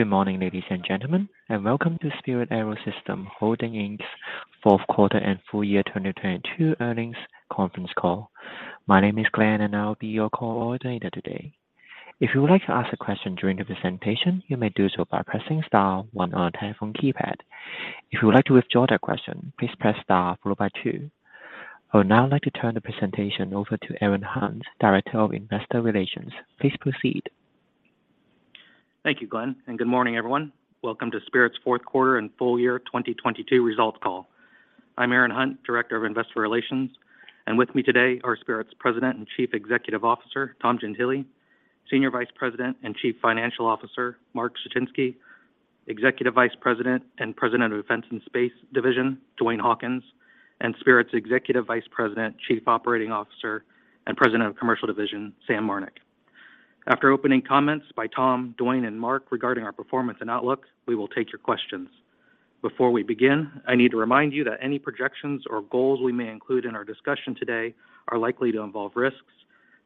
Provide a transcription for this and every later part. Good morning, ladies and gentlemen, and welcome to Spirit AeroSystems Holdings Inc.'s fourth quarter and full year 2022 earnings conference call. My name is Glenn, and I'll be your call coordinator today. If you would like to ask a question during the presentation, you may do so by pressing star one on your telephone keypad. If you would like to withdraw that question, please press star followed by two. I would now like to turn the presentation over to Aaron Hunt, Director of Investor Relations. Please proceed. Thank you, Glenn, and good morning, everyone. Welcome to Spirit's fourth quarter and full year 2022 results call. I'm Aaron Hunt, Director of Investor Relations, and with me today are Spirit's President and Chief Executive Officer, Tom Gentile, Senior Vice President and Chief Financial Officer, Mark Suchinski, Executive Vice President and President of Defense & Space Division, Duane Hawkins, and Spirit's Executive Vice President, Chief Operating Officer, and President of Commercial Division, Sam Marnick. After opening comments by Tom, Duane, and Mark regarding our performance and outlook, we will take your questions. Before we begin, I need to remind you that any projections or goals we may include in our discussion today are likely to involve risks,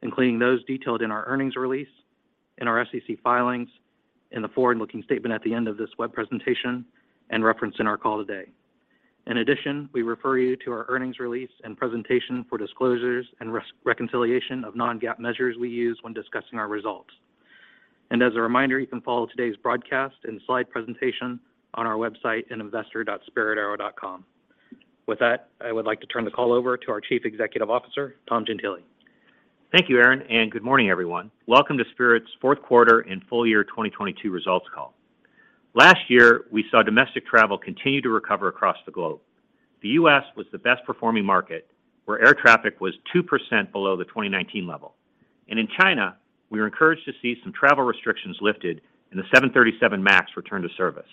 including those detailed in our earnings release, in our SEC filings, in the forward-looking statement at the end of this web presentation, and referenced in our call today. In addition, we refer you to our earnings release and presentation for disclosures and reconciliation of non-GAAP measures we use when discussing our results. As a reminder, you can follow today's broadcast and slide presentation on our website in investor.spiritaero.com. With that, I would like to turn the call over to our Chief Executive Officer, Tom Gentile. Thank you, Aaron, and good morning, everyone. Welcome to Spirit's fourth quarter and full year 2022 results call. Last year, we saw domestic travel continue to recover across the globe. The U.S. was the best-performing market, where air traffic was 2% below the 2019 level. In China, we were encouraged to see some travel restrictions lifted and the 737 MAX return to service.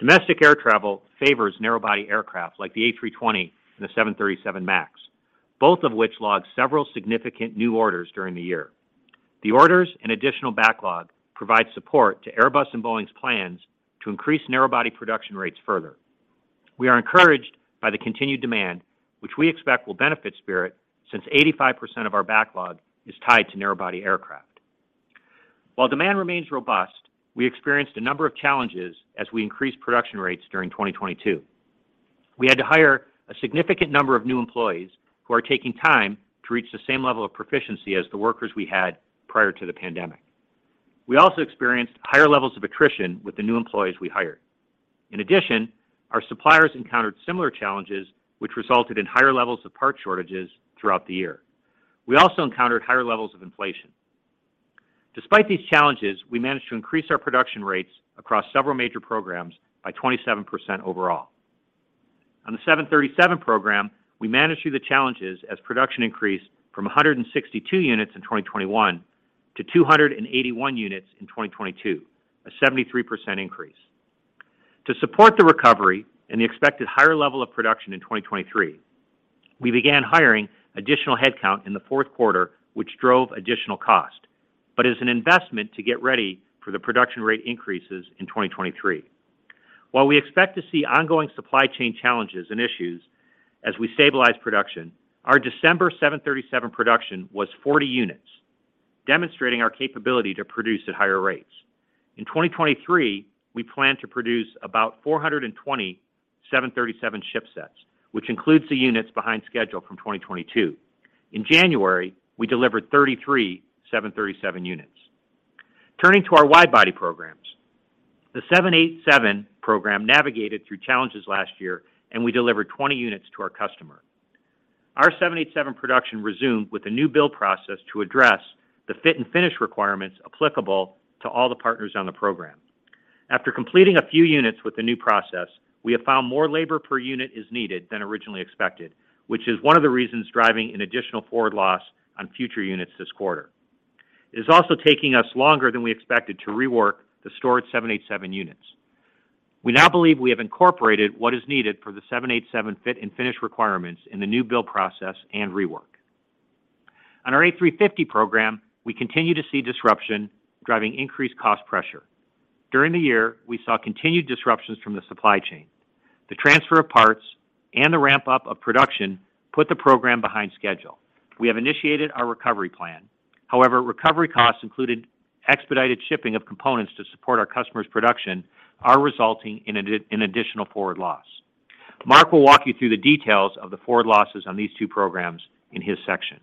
Domestic air travel favors narrow-body aircraft like the A320 and the 737 MAX, both of which logged several significant new orders during the year. The orders and additional backlog provide support to Airbus and Boeing's plans to increase narrow-body production rates further. We are encouraged by the continued demand, which we expect will benefit Spirit since 85% of our backlog is tied to narrow-body aircraft. While demand remains robust, we experienced a number of challenges as we increased production rates during 2022. We had to hire a significant number of new employees who are taking time to reach the same level of proficiency as the workers we had prior to the pandemic. We also experienced higher levels of attrition with the new employees we hired. Our suppliers encountered similar challenges which resulted in higher levels of parts shortages throughout the year. We also encountered higher levels of inflation. Despite these challenges, we managed to increase our production rates across several major programs by 27% overall. On the 737 program, we managed through the challenges as production increased from 162 units in 2021 to 281 units in 2022, a 73% increase. To support the recovery and the expected higher level of production in 2023, we began hiring additional headcount in the fourth quarter, which drove additional cost, but is an investment to get ready for the production rate increases in 2023. We expect to see ongoing supply chain challenges and issues as we stabilize production, our December 737 production was 40 units, demonstrating our capability to produce at higher rates. In 2023, we plan to produce about 420 737 shipsets, which includes the units behind schedule from 2022. In January, we delivered 33 737 units. Turning to our wide-body programs. The 787 program navigated through challenges last year. We delivered 20 units to our customer. Our 787 production resumed with a new build process to address the fit and finish requirements applicable to all the partners on the program. After completing a few units with the new process, we have found more labor per unit is needed than originally expected, which is one of the reasons driving an additional forward loss on future units this quarter. It is also taking us longer than we expected to rework the stored 787 units. We now believe we have incorporated what is needed for the 787 fit and finish requirements in the new build process and rework. On our A350 program, we continue to see disruption driving increased cost pressure. During the year, we saw continued disruptions from the supply chain. The transfer of parts and the ramp-up of production put the program behind schedule. We have initiated our recovery plan. However, recovery costs included expedited shipping of components to support our customers' production are resulting in additional forward loss. Mark will walk you through the details of the forward losses on these two programs in his section.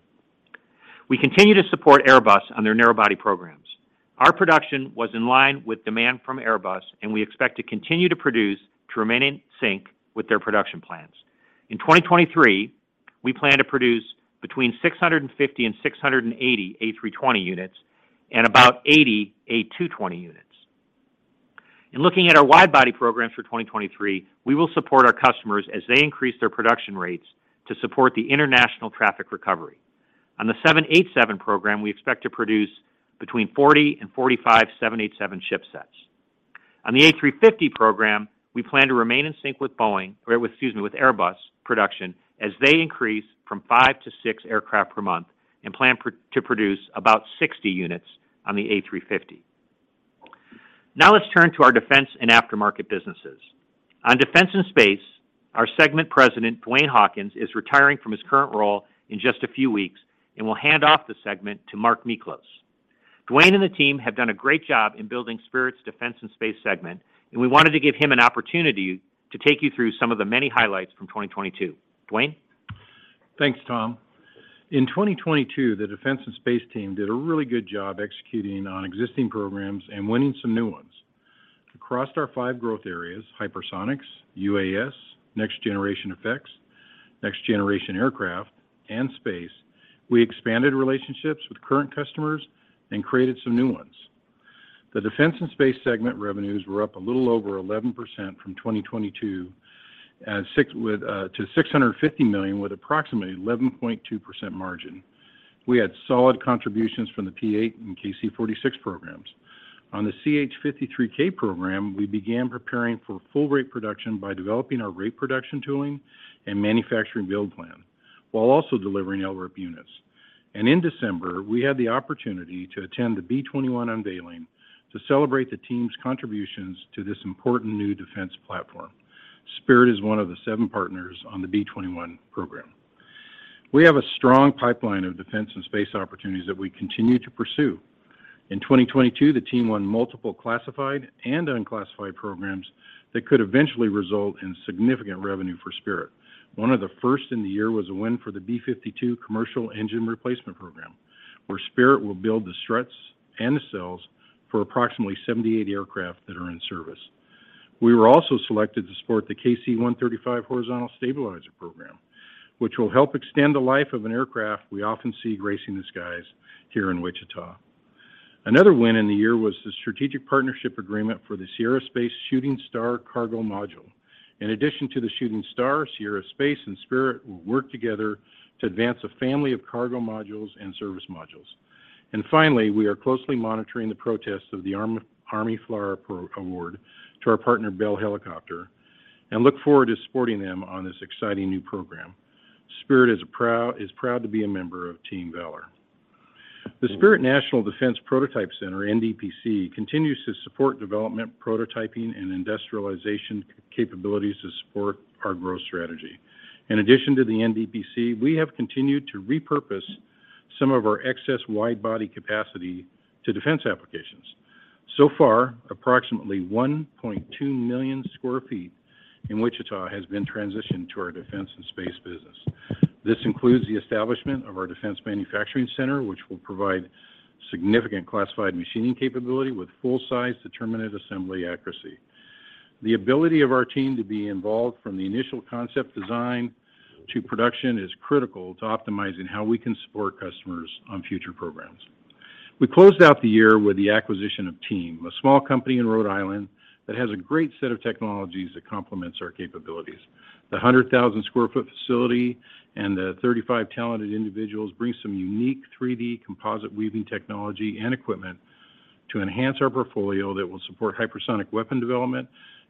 We continue to support Airbus on their narrow-body programs. Our production was in line with demand from Airbus, and we expect to continue to produce to remain in sync with their production plans. In 2023, we plan to produce between 650 and 680 A320 units and about 80 A220 units. In looking at our wide-body programs for 2023, we will support our customers as they increase their production rates to support the international traffic recovery. On the 787 program, we expect to produce between 40 and 45 787 shipsets. On the A350 program, we plan to remain in sync with Boeing, or with, excuse me, with Airbus production as they increase from 5-6 aircraft per month and plan to produce about 60 units on the A350. Now let's turn to our Defense and Aftermarket businesses. On Defense & Space, our segment president, Duane Hawkins, is retiring from his current role in just a few weeks and will hand off the segment to Mark Miklos. Duane and the team have done a great job in Defense & Space segment, and we wanted to give him an opportunity to take you through some of the many highlights from 2022. Duane? Thanks, Tom. In 2022, the Defense & Space team did a really good job executing on existing programs and winning some new ones. Across our five growth areas, hypersonics, UAS, next-generation effects, next-generation aircraft and space, we expanded relationships with current customers and created some new ones. The Defense & Space segment revenues were up a little over 11% from 2022, to $650 million, with approximately 11.2% margin. We had solid contributions from the P-8 and KC-46 programs. On the CH-53K program, we began preparing for full rate production by developing our rate production tooling and manufacturing build plan, while also delivering LRIP units. In December, we had the opportunity to attend the B-21 unveiling to celebrate the team's contributions to this important new defense platform. Spirit is one of the seven partners on the B-21 program. We have a strong Defense & Space opportunities that we continue to pursue. In 2022, the team won multiple classified and unclassified programs that could eventually result in significant revenue for Spirit. One of the first in the year was a win for the B-52 commercial engine replacement program, where Spirit will build the struts and the cells for approximately 78 aircraft that are in service. We were also selected to support the KC-135 horizontal stabilizer program, which will help extend the life of an aircraft we often see gracing the skies here in Wichita. Another win in the year was the strategic partnership agreement for the Sierra Space Shooting Star cargo module. In addition to the Shooting Star, Sierra Space and Spirit will work together to advance a family of cargo modules and service modules. Finally, we are closely monitoring the protests of the Army FLRAA award to our partner, Bell Helicopter, and look forward to supporting them on this exciting new program. Spirit is proud to be a member of Team Valor. The Spirit National Defense Prototype Center, NDPC, continues to support development, prototyping, and industrialization capabilities to support our growth strategy. In addition to the NDPC, we have continued to repurpose some of our excess wide-body capacity to defense applications. So far, approximately 1.2 million sq ft in Wichita has been transitioned Defense & Space business. this includes the establishment of our defense manufacturing center, which will provide significant classified machining capability with full-size determinate assembly accuracy. The ability of our team to be involved from the initial concept design to production is critical to optimizing how we can support customers on future programs. We closed out the year with the acquisition of Team, a small company in Rhode Island that has a great set of technologies that complements our capabilities. The 100,000 sq ft facility and the 35 talented individuals bring some unique 3D composite weaving technology and equipment to enhance our portfolio that will support hypersonic weapon development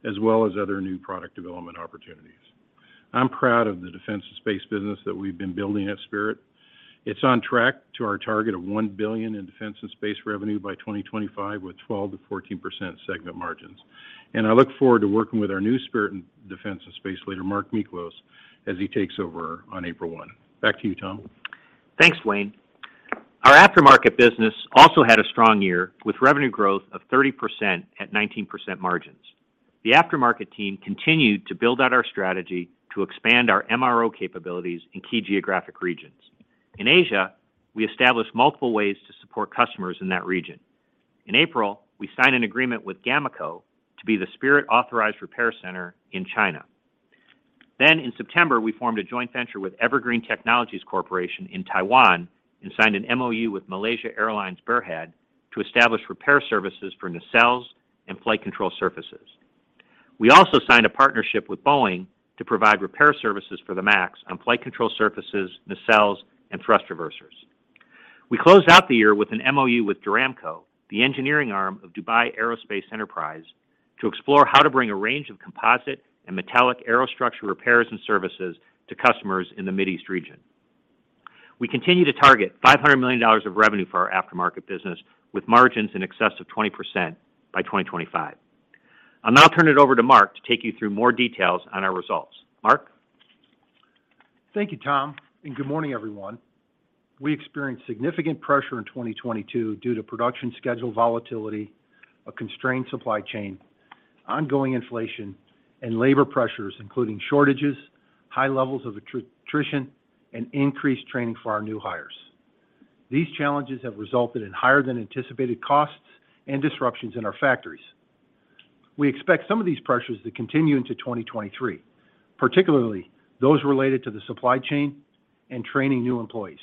as well as other new product development opportunities. I'm proud Defense & Space business that we've been building at Spirit. It's on track to our target of $1 Defense & Space revenue by 2025, with 12%-14% segment margins. I look forward to working with our Defense & Space leader, Mark Miklos, as he takes over on April 1st. Back to you, Tom. Thanks, Duane. Our aftermarket business also had a strong year, with revenue growth of 30% at 19% margins. The aftermarket team continued to build out our strategy to expand our MRO capabilities in key geographic regions. In Asia, we established multiple ways to support customers in that region. In April, we signed an agreement with GAMECO to be the Spirit-authorized repair center in China. In September, we formed a joint venture with Evergreen Technologies Corporation in Taiwan and signed an MOU with Malaysia Airlines Berhad to establish repair services for nacelles and flight control surfaces. We also signed a partnership with Boeing to provide repair services for the MAX on flight control surfaces, nacelles, and thrust reversers. We closed out the year with an MOU with Joramco, the engineering arm of Dubai Aerospace Enterprise, to explore how to bring a range of composite and metallic aerostructure repairs and services to customers in the Middle East region. We continue to target $500 million of revenue for our aftermarket business, with margins in excess of 20% by 2025. I'll now turn it over to Mark to take you through more details on our results. Mark? Thank you, Tom, and good morning, everyone. We experienced significant pressure in 2022 due to production schedule volatility, a constrained supply chain, ongoing inflation, and labor pressures, including shortages, high levels of attrition, and increased training for our new hires. These challenges have resulted in higher than anticipated costs and disruptions in our factories. We expect some of these pressures to continue into 2023, particularly those related to the supply chain and training new employees.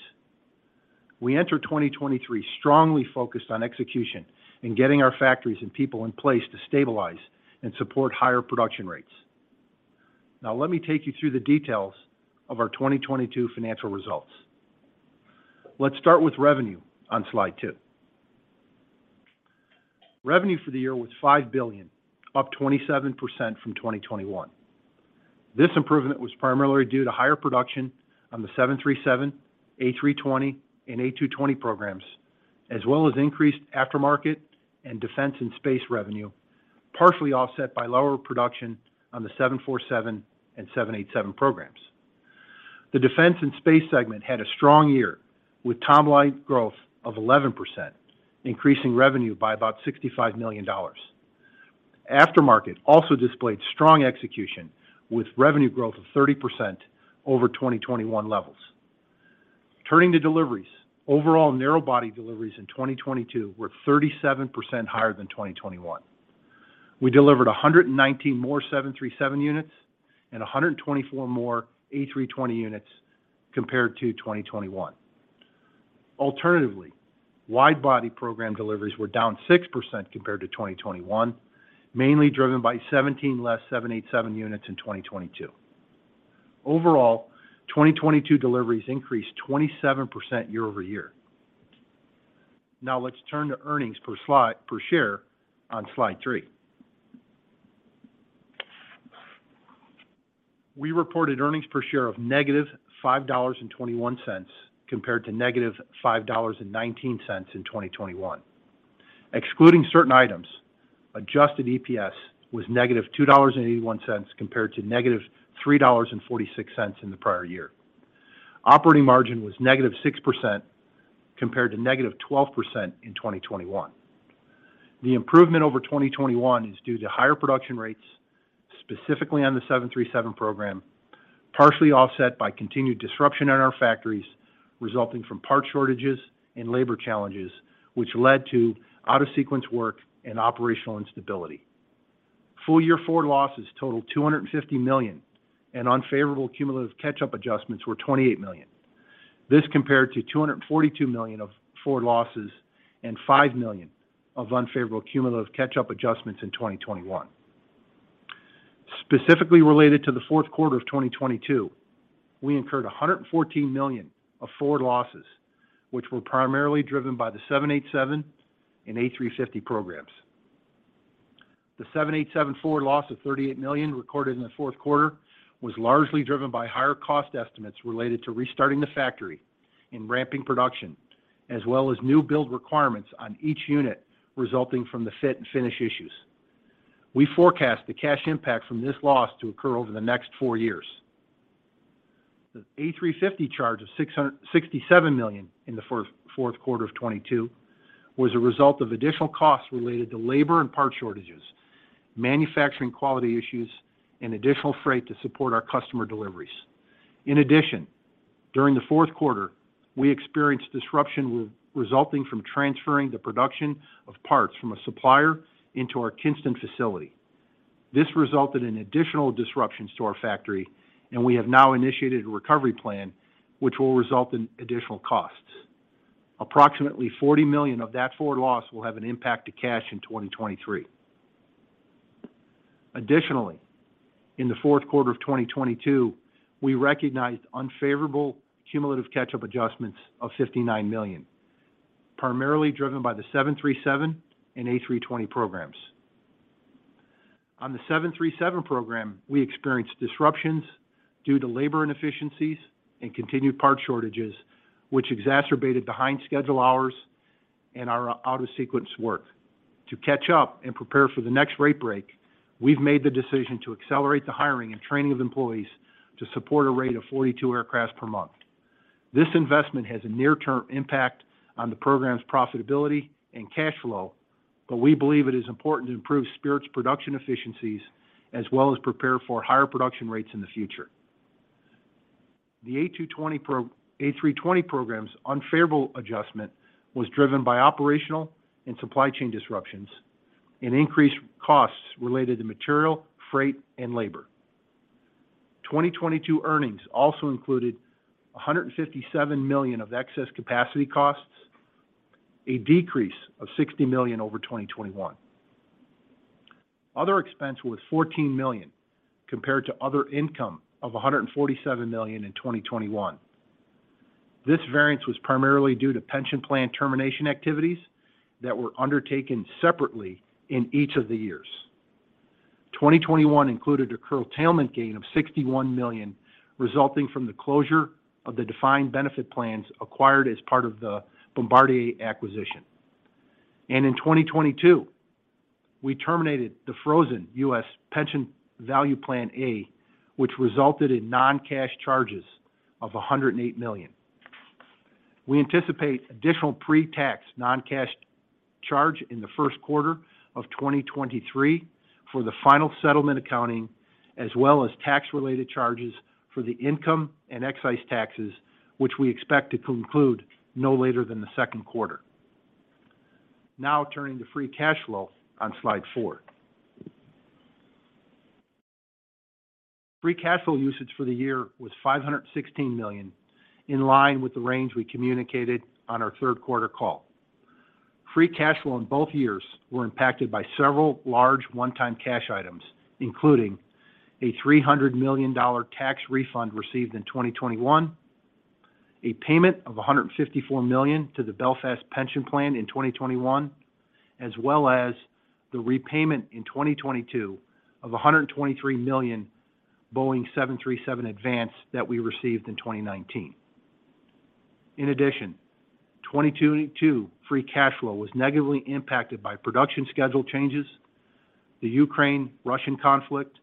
We enter 2023 strongly focused on execution and getting our factories and people in place to stabilize and support higher production rates. Now, let me take you through the details of our 2022 financial results. Let's start with revenue on slide 2. Revenue for the year was $5 billion, up 27% from 2021. This improvement was primarily due to higher production on the 737, A320, and A220 programs, as well as increased Aftermarket and Defense & Space revenue, partially offset by lower production on the 747 and 787 programs. The Defense & Space segment had a strong year with top-line growth of 11%, increasing revenue by about $65 million. Aftermarket also displayed strong execution with revenue growth of 30% over 2021 levels. Turning to deliveries, overall narrow body deliveries in 2022 were 37% higher than 2021. We delivered 119 more 737 units and 124 more A320 units compared to 2021. Alternatively, wide body program deliveries were down 6% compared to 2021, mainly driven by 17 less 787 units in 2022. Overall, 2022 deliveries increased 27% year-over-year. Now let's turn to earnings per share on slide 3. We reported earnings per share of -$5.21 compared to -$5.19 in 2021. Excluding certain items, adjusted EPS was -$2.81 compared to -$3.46 in the prior year. Operating margin was -6% compared to -12% in 2021. The improvement over 2021 is due to higher production rates, specifically on the 737 program, partially offset by continued disruption in our factories resulting from part shortages and labor challenges, which led to out of sequence work and operational instability. Full year forward losses totaled $250 million, and unfavorable cumulative catch-up adjustments were $28 million. This compared to $242 million of forward losses and $5 million of unfavorable cumulative catch-up adjustments in 2021. Specifically related to the fourth quarter of 2022, we incurred $114 million of forward losses, which were primarily driven by the 787 and A350 programs. The 787 forward loss of $38 million recorded in the fourth quarter was largely driven by higher cost estimates related to restarting the factory and ramping production, as well as new build requirements on each unit resulting from the fit and finish issues. We forecast the cash impact from this loss to occur over the next four years. The A350 charge of $667 million in the fourth quarter of 2022 was a result of additional costs related to labor and part shortages, manufacturing quality issues, and additional freight to support our customer deliveries. In addition, during the fourth quarter, we experienced disruption resulting from transferring the production of parts from a supplier into our Kinston facility. This resulted in additional disruptions to our factory, and we have now initiated a recovery plan which will result in additional costs. Approximately $40 million of that forward loss will have an impact to cash in 2023. Additionally, in the fourth quarter of 2022, we recognized unfavorable cumulative catch-up adjustments of $59 million, primarily driven by the 737 and A320 programs. On the 737 program, we experienced disruptions due to labor inefficiencies and continued part shortages, which exacerbated behind schedule hours and our out of sequence work. To catch up and prepare for the next rate break, we've made the decision to accelerate the hiring and training of employees to support a rate of 42 aircraft per month. This investment has a near-term impact on the program's profitability and cash flow, but we believe it is important to improve Spirit's production efficiencies as well as prepare for higher production rates in the future. The A320 program's unfavorable adjustment was driven by operational and supply chain disruptions and increased costs related to material, freight, and labor. 2022 earnings also included $157 million of excess capacity costs, a decrease of $60 million over 2021. Other expense was $14 million compared to other income of $147 million in 2021. This variance was primarily due to pension plan termination activities that were undertaken separately in each of the years. 2021 included a curtailment gain of $61 million resulting from the closure of the defined benefit plans acquired as part of the Bombardier acquisition. In 2022, we terminated the frozen U.S. Pension Value Plan A, which resulted in non-cash charges of $108 million. We anticipate additional pre-tax non-cash charge in the first quarter of 2023 for the final settlement accounting, as well as tax-related charges for the income and excise taxes, which we expect to conclude no later than the second quarter. Turning to free cash flow on slide 4. Free cash flow usage for the year was $516 million, in line with the range we communicated on our third quarter call. Free cash flow in both years were impacted by several large one-time cash items, including a $300 million tax refund received in 2021, a payment of $154 million to the Belfast pension plan in 2021, as well as the repayment in 2022 of a $123 million Boeing 737 advance that we received in 2019. 2022 free cash flow was negatively impacted by production schedule changes, the Ukraine-Russian conflict,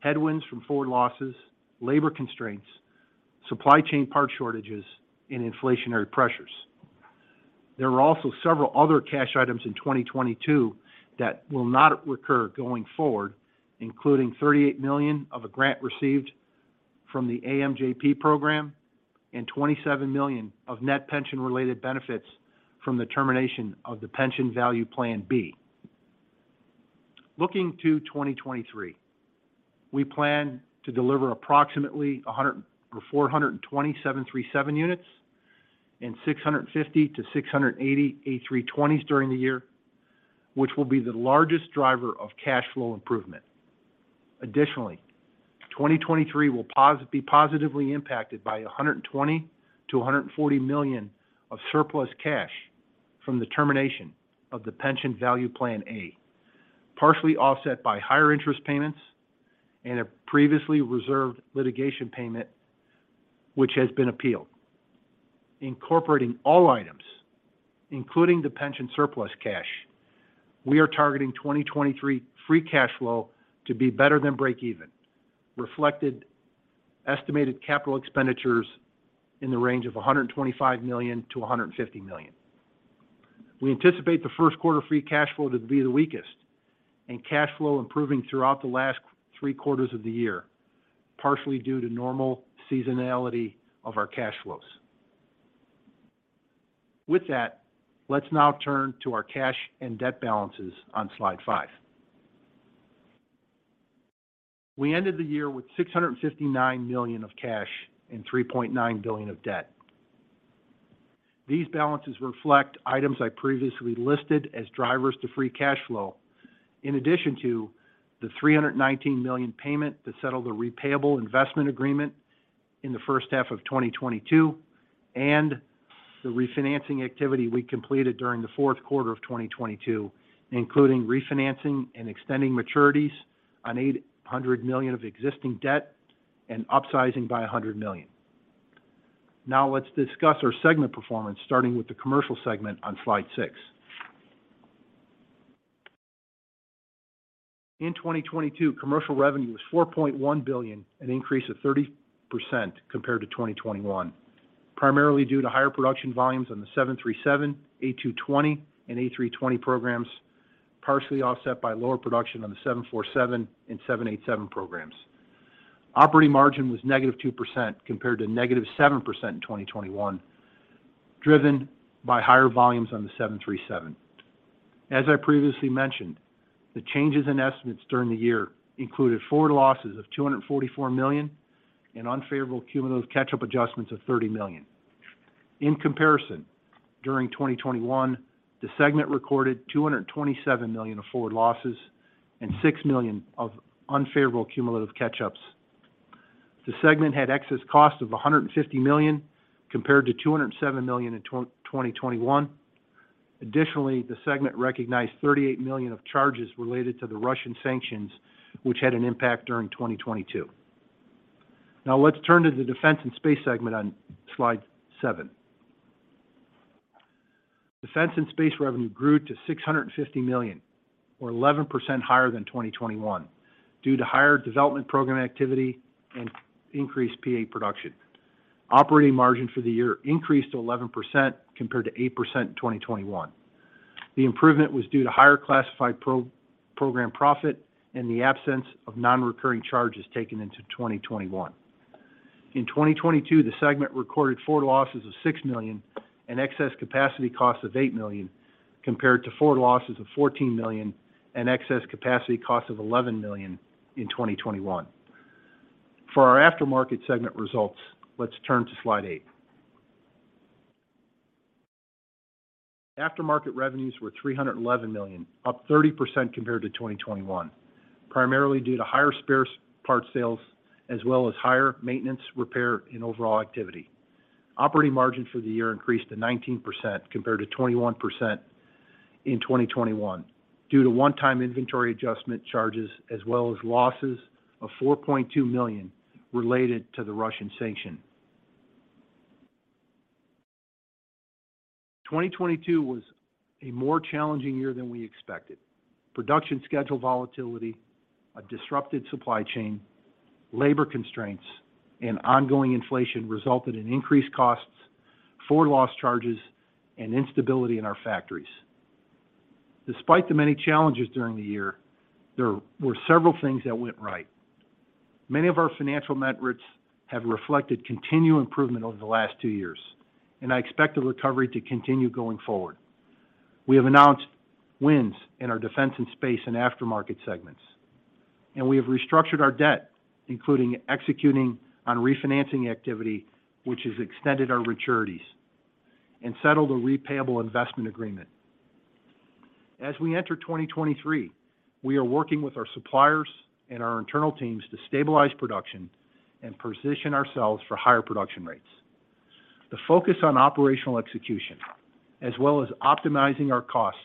headwinds from forward loss, labor constraints, supply chain part shortages, and inflationary pressures. There were also several other cash items in 2022 that will not recur going forward, including $38 million of a grant received from the AMJP program and $27 million of net pension-related benefits from the termination of the Pension Value Plan B. Looking to 2023, we plan to deliver approximately 420 737 units and 650-680 A320s during the year, which will be the largest driver of cash flow improvement. Additionally, 2023 will be positively impacted by $120 million-$140 million of surplus cash from the termination of the Pension Value Plan A, partially offset by higher interest payments and a previously reserved litigation payment which has been appealed. Incorporating all items, including the pension surplus cash, we are targeting 2023 free cash flow to be better than break even. Reflected estimated capital expenditures in the range of $125 million-$150 million. We anticipate the first quarter free cash flow to be the weakest, and cash flow improving throughout the last three quarters of the year, partially due to normal seasonality of our cash flows. With that, let's now turn to our cash and debt balances on slide 5. We ended the year with $659 million of cash and $3.9 billion of debt. These balances reflect items I previously listed as drivers to free cash flow, in addition to the $319 million payment to settle the repayable investment agreement in the first half of 2022, and the refinancing activity we completed during the fourth quarter of 2022, including refinancing and extending maturities on $800 million of existing debt and upsizing by $100 million. Now let's discuss our segment performance, starting with the commercial segment on slide 6. In 2022, commercial revenue was $4.1 billion, an increase of 30% compared to 2021, primarily due to higher production volumes on the 737, A220, and A320 programs, partially offset by lower production on the 747 and 787 programs. Operating margin was -2% compared to -7% in 2021, driven by higher volumes on the 737. As I previously mentioned, the changes in estimates during the year included forward losses of $244 million and unfavorable cumulative catch-up adjustments of $30 million. In comparison, during 2021, the segment recorded $227 million of forward losses and $6 million of unfavorable cumulative catch-ups. The segment had excess cost of $150 million compared to $207 million in 2021. Additionally, the segment recognized $38 million of charges related to the Russian sanctions, which had an impact during 2022. Let's turn Defense & Space segment on slide 7. Defense & Space revenue grew to $650 million, or 11% higher than 2021 due to higher development program activity and increased P-8 production. Operating margin for the year increased to 11% compared to 8% in 2021. The improvement was due to higher classified program profit and the absence of non-recurring charges taken into 2021. In 2022, the segment recorded forward losses of $6 million and excess capacity costs of $8 million, compared to forward losses of $14 million and excess capacity costs of $11 million in 2021. For our aftermarket segment results, let's turn to slide 8. Aftermarket revenues were $311 million, up 30% compared to 2021, primarily due to higher spare parts sales as well as higher maintenance, repair, and overhaul activity. Operating margin for the year increased to 19% compared to 21% in 2021 due to one-time inventory adjustment charges as well as losses of $4.2 million related to the Russian sanction. 2022 was a more challenging year than we expected. Production schedule volatility, a disrupted supply chain, labor constraints, and ongoing inflation resulted in increased costs, forward loss charges, and instability in our factories. Despite the many challenges during the year, there were several things that went right. Many of our financial metrics have reflected continued improvement over the last two years, I expect the recovery to continue going forward. We have announced wins Defense & Space and aftermarket segments, and we have restructured our debt, including executing on refinancing activity, which has extended our maturities and settled a repayable investment agreement. As we enter 2023, we are working with our suppliers and our internal teams to stabilize production and position ourselves for higher production rates. The focus on operational execution as well as optimizing our costs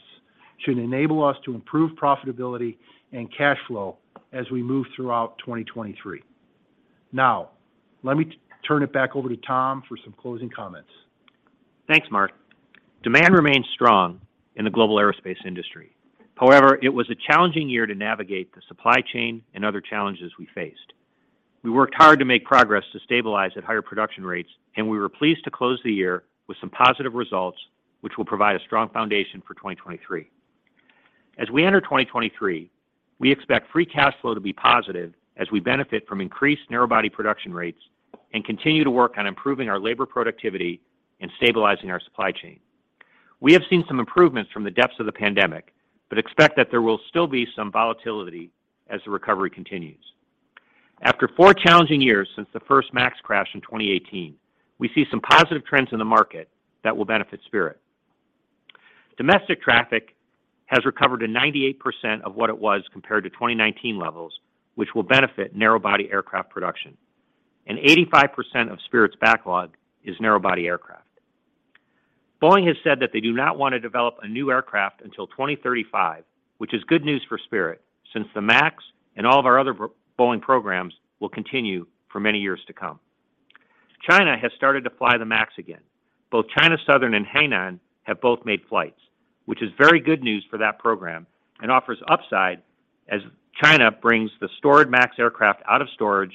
should enable us to improve profitability and cash flow as we move throughout 2023. Now let me turn it back over to Tom for some closing comments. Thanks, Mark. Demand remains strong in the global aerospace industry. It was a challenging year to navigate the supply chain and other challenges we faced. We worked hard to make progress to stabilize at higher production rates, and we were pleased to close the year with some positive results, which will provide a strong foundation for 2023. As we enter 2023, we expect free cash flow to be positive as we benefit from increased narrow-body production rates and continue to work on improving our labor productivity and stabilizing our supply chain. We have seen some improvements from the depths of the pandemic, but expect that there will still be some volatility as the recovery continues. After four challenging years since the first MAX crash in 2018, we see some positive trends in the market that will benefit Spirit. Domestic traffic has recovered to 98% of what it was compared to 2019 levels, which will benefit narrow body aircraft production. 85% of Spirit's backlog is narrow body aircraft. Boeing has said that they do not want to develop a new aircraft until 2035, which is good news for Spirit, since the MAX and all of our other Boeing programs will continue for many years to come. China has started to fly the MAX again. Both China Southern and Hainan have both made flights, which is very good news for that program and offers upside as China brings the stored MAX aircraft out of storage,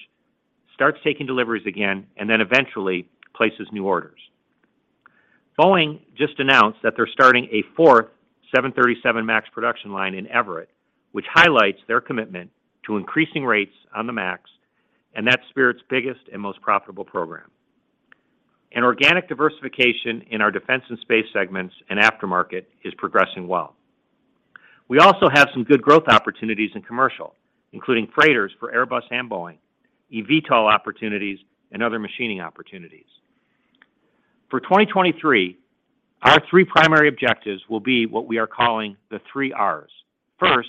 starts taking deliveries again, and then eventually places new orders. Boeing just announced that they're starting a fourth 737 MAX production line in Everett, which highlights their commitment to increasing rates on the MAX and that's Spirit's biggest and most profitable program. An organic diversification in our Defense & Space segments and aftermarket is progressing well. We also have some good growth opportunities in commercial, including freighters for Airbus and Boeing, eVTOL opportunities, and other machining opportunities. For 2023, our three primary objectives will be what we are calling the 3R. First,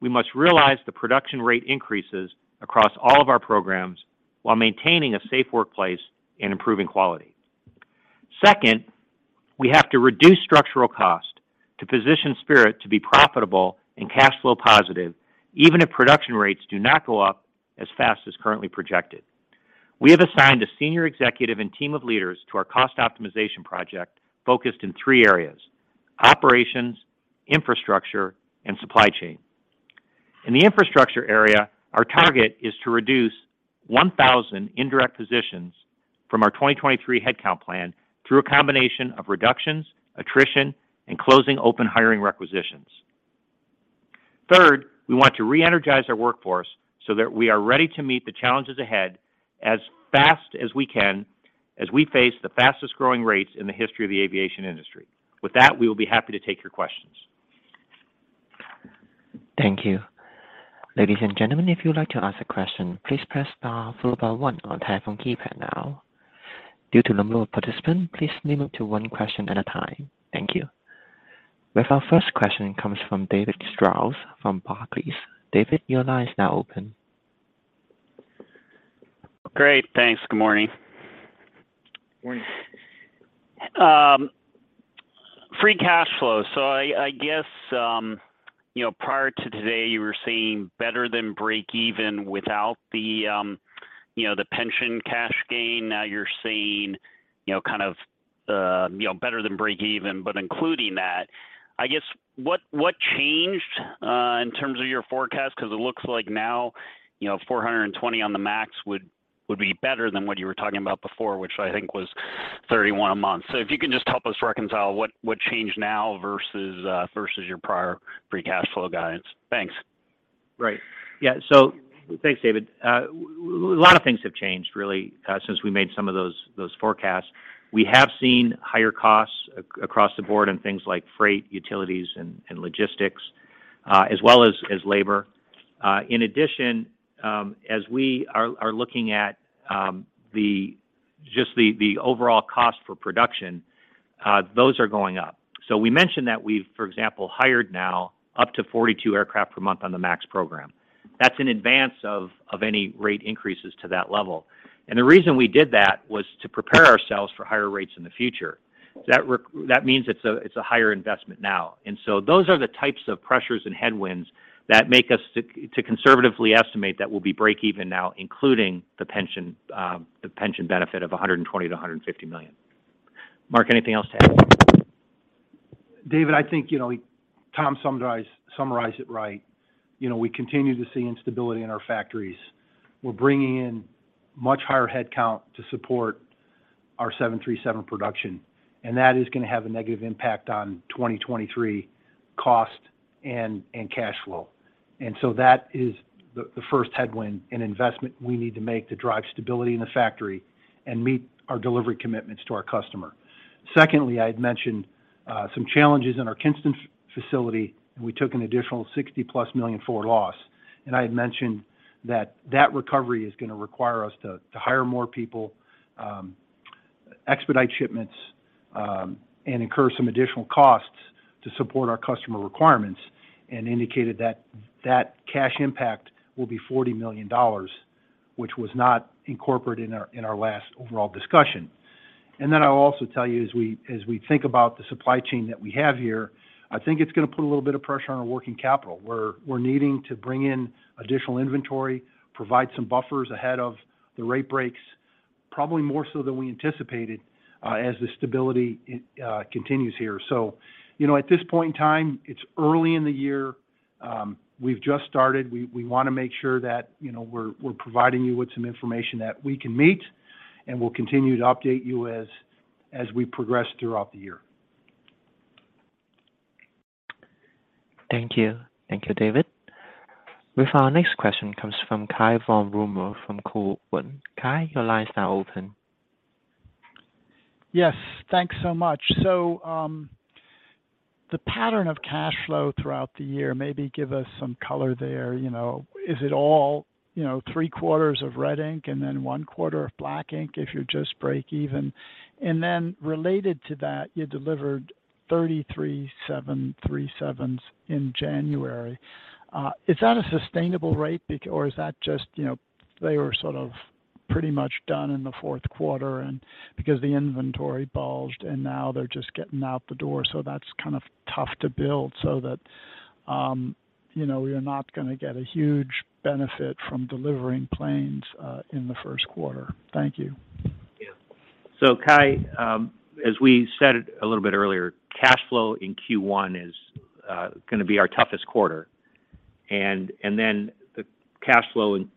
we must realize the production rate increases across all of our programs while maintaining a safe workplace and improving quality. Second, we have to reduce structural cost to position Spirit to be profitable and cash flow positive, even if production rates do not go up as fast as currently projected. We have assigned a senior executive and team of leaders to our cost optimization project focused in three areas: operations, infrastructure, and supply chain. In the infrastructure area, our target is to reduce 1,000 indirect positions from our 2023 headcount plan through a combination of reductions, attrition, and closing open hiring requisitions. Third, we want to re-energize our workforce so that we are ready to meet the challenges ahead as fast as we can as we face the fastest-growing rates in the history of the aviation industry. With that, we will be happy to take your questions. Thank you. Ladies and gentlemen, if you'd like to ask a question, please press star followed by one on telephone keypad now. Due to the number of participants, please limit to one question at a time. Thank you. With our first question comes from David Strauss from Barclays. David, your line is now open. Great. Thanks. Good morning. Morning. Free cash flow. I guess, you know, prior to today, you were seeing better than break even without the, you know, the pension cash gain. Now you're seeing, you know, kind of, you know, better than break even, but including that. I guess what changed in terms of your forecast? It looks like now, you know, 420 on the MAX would be better than what you were talking about before, which I think was 31 a month. If you can just help us reconcile what changed now versus versus your prior free cash flow guidance. Thanks. Yeah. Thanks, David. A lot of things have changed really since we made some of those forecasts. We have seen higher costs across the board in things like freight, utilities, and logistics, as well as labor. In addition, as we are looking at just the overall cost for production, those are going up. We mentioned that we've, for example, hired now up to 42 aircraft per month on the MAX program. That's in advance of any rate increases to that level. The reason we did that was to prepare ourselves for higher rates in the future. That means it's a higher investment now. Those are the types of pressures and headwinds that make us to conservatively estimate that we'll be break-even now, including the pension, the pension benefit of $120 million-$150 million. Mark, anything else to add? David, I think, you know, Tom summarized it right. You know, we continue to see instability in our factories. We're bringing in much higher headcount to support our 737 production, and that is gonna have a negative impact on 2023 cost and cash flow. That is the first headwind and investment we need to make to drive stability in the factory and meet our delivery commitments to our customer. Secondly, I had mentioned some challenges in our Kinston facility, and we took an additional $60 million+ forward loss. I had mentioned that that recovery is gonna require us to hire more people, expedite shipments, and incur some additional costs to support our customer requirements and indicated that that cash impact will be $40 million, which was not incorporated in our last overall discussion. I'll also tell you, as we think about the supply chain that we have here, I think it's going to put a little bit of pressure on our working capital. We're needing to bring in additional inventory, provide some buffers ahead of the rate breaks, probably more so than we anticipated, as the stability continues here. You know, at this point in time, it's early in the year. We've just started. We want to make sure that, you know, we're providing you with some information that we can meet, and we'll continue to update you as we progress throughout the year. Thank you. Thank you, David. With our next question comes from Cai von Rumohr from Cowen. Cai, your line is now open. Yes. Thanks so much. The pattern of cash flow throughout the year, maybe give us some color there, you know. Is it all, you know, three quarters of red ink and then one quarter of black ink if you're just break even? Related to that, you delivered 33 737s in January. Is that a sustainable rate or is that just, you know, they were sort of pretty much done in the fourth quarter and because the inventory bulged, and now they're just getting out the door, so that's kind of tough to build so that, you know, you're not going to get a huge benefit from delivering planes in the first quarter. Thank you. Yeah. Cai, as we said a little bit earlier, cash flow in Q1 is going to be our toughest quarter. Then the cash flow in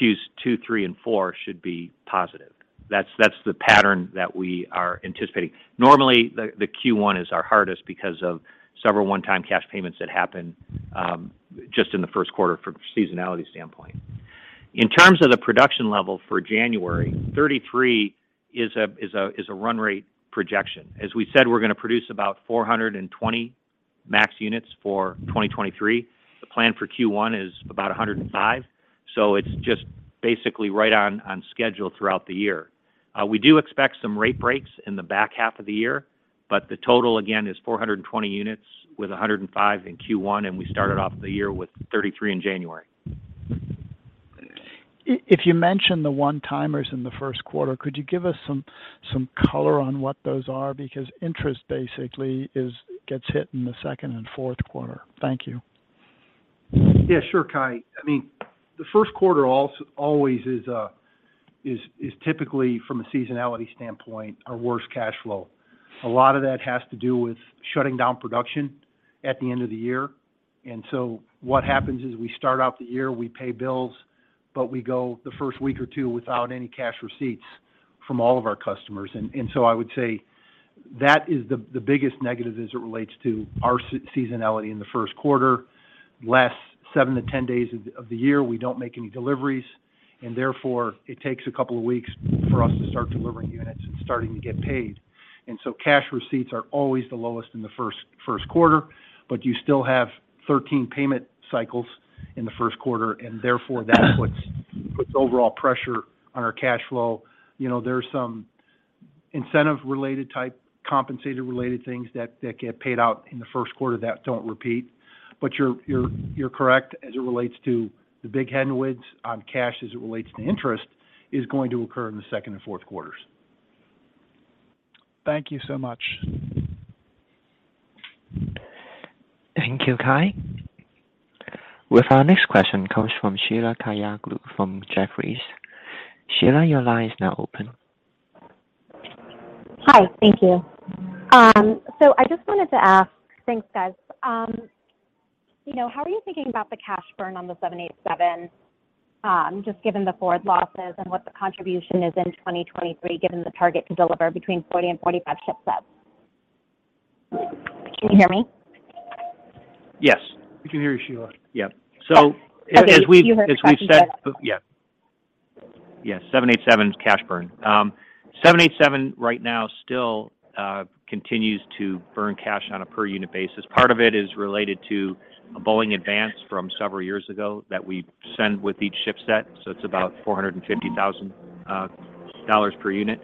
Q2, three, and four should be positive. That's the pattern that we are anticipating. Normally, Q1 is our hardest because of several one-time cash payments that happen just in the first quarter from a seasonality standpoint. In terms of the production level for January, 33 is a run rate projection. As we said we're going to produce about 420 MAX units for 2023. The plan for Q1 is about 105. It's just basically right on schedule throughout the year. We do expect some rate breaks in the back half of the year, but the total again is 420 units with 105 in Q1, and we started off the year with 33 in January. If you mentioned the one-timers in the first quarter, could you give us some color on what those are? Because interest basically gets hit in the second and fourth quarter. Thank you. Yeah, sure, Cai. I mean, the first quarter always is typically from a seasonality standpoint, our worst cash flow. A lot of that has to do with shutting down production at the end of the year. What happens is we start out the year, we pay bills, but we go the first week or two without any cash receipts from all of our customers. I would say that is the biggest negative as it relates to our seasonality in the first quarter. Last 7-10 days of the year, we don't make any deliveries, and therefore it takes a couple of weeks for us to start delivering units and starting to get paid. Cash receipts are always the lowest in the first quarter, but you still have 13 payment cycles in the first quarter, and therefore that puts overall pressure on our cash flow. You know, there's some incentive-related type, compensated-related things that get paid out in the first quarter that don't repeat. You're correct, as it relates to the big headwinds on cash as it relates to interest is going to occur in the second and fourth quarter. Thank you so much. Thank you, Cai. Our next question comes from Sheila Kahyaoglu from Jefferies. Sheila, your line is now open. Hi. Thank you. I just wanted to ask, thanks, guys. You know, how are you thinking about the cash burn on the 787, just given the forward losses and what the contribution is in 2023, given the target to deliver between 40 and 45 shipsets? Can you hear me? Yes. We can hear you, Sheila. Yeah, as we've said. 787 cash burn. 787 right now still continues to burn cash on a per unit basis. Part of it is related to a Boeing advance from several years ago that we send with each shipset, so it's about $450,000 per unit.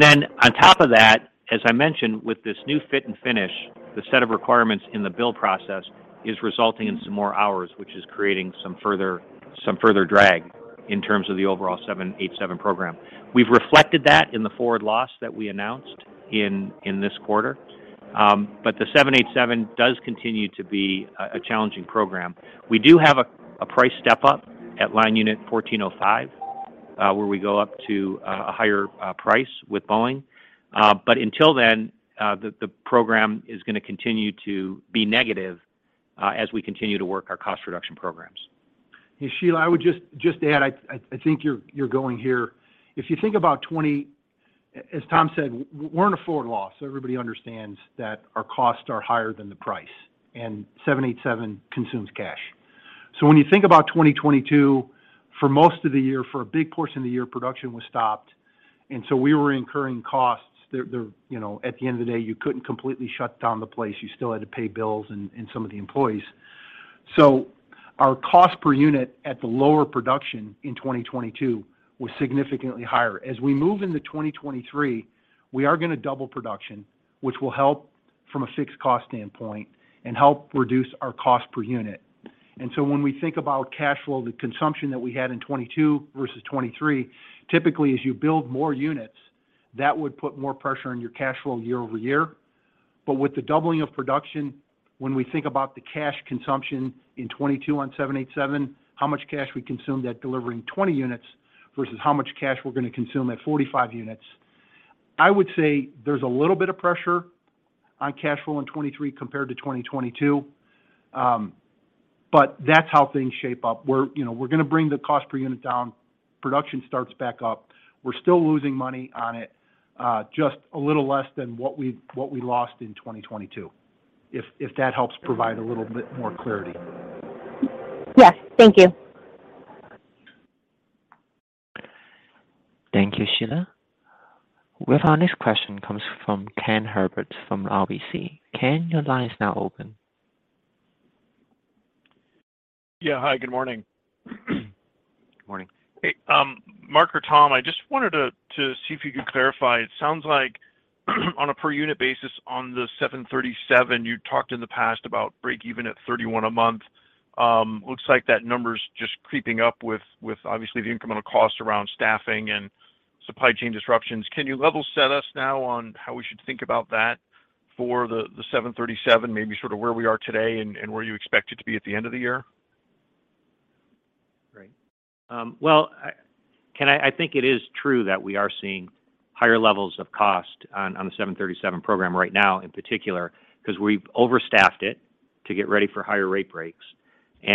Then on top of that, as I mentioned, with this new fit and finish, the set of requirements in the build process is resulting in some more hours, which is creating some further drag in terms of the overall 787 program. We've reflected that in the forward loss that we announced in this quarter. The 787 does continue to be a challenging program. We do have a price step-up at line unit 1405, where we go up to a higher price with Boeing. Until then, the program is going to continue to be negative, as we continue to work our cost reduction programs. Hey, Sheila, I would just add, I think you're going here. If you think about 20... As Tom said, we're in a forward loss. Everybody understands that our costs are higher than the price, and 787 consumes cash. When you think about 2022, for most of the year, for a big portion of the year, production was stopped. We were incurring costs. There, you know, at the end of the day, you couldn't completely shut down the place. You still had to pay bills and some of the employees. Our cost per unit at the lower production in 2022 was significantly higher. As we move into 2023, we are gonna double production, which will help from a fixed cost standpoint and help reduce our cost per unit. When we think about cash flow, the consumption that we had in 2022 versus 2023, typically as you build more units, that would put more pressure on your cash flow year-over-year. With the doubling of production, when we think about the cash consumption in 2022 on 787, how much cash we consume at delivering 20 units versus how much cash we're gonna consume at 45 units, I would say there's a little bit of pressure on cash flow in 2023 compared to 2022. That's how things shape up. We're, you know, we're gonna bring the cost per unit down. Production starts back up. We're still losing money on it, just a little less than what we lost in 2022, if that helps provide a little bit more clarity. Yes. Thank you. Thank you, Sheila. With our next question comes from Kenneth Herbert from RBC. Ken, your line is now open. Yeah. Hi, good morning. Morning. Hey, Mark or Tom, I just wanted to see if you could clarify. It sounds like on a per unit basis on the 737, you talked in the past about break even at 31 a month. Looks like that number's just creeping up with obviously the incremental cost around staffing and supply chain disruptions. Can you level set us now on how we should think about that for the 737, maybe sort of where we are today and where you expect it to be at the end of the year? Great. Well, Ken, I think it is true that we are seeing higher levels of cost on the 737 program right now in particular, 'cause we've overstaffed it to get ready for higher rate breaks.